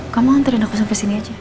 kamu hantarin aku sampai sini aja